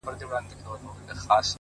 • ځم د روح په هر رگ کي خندا کومه؛